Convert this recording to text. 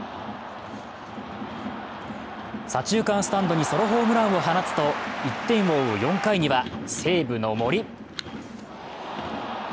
左中間スタンドにソロホームランを放つと１点を追う４回には西武の森。